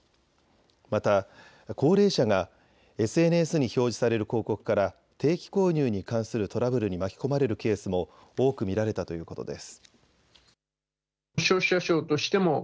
また高齢者がＳＮＳに表示される広告から定期購入に関するトラブルに巻き込まれるケースも多く見られたということです。